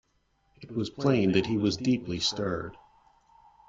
It was plain that he was deeply stirred.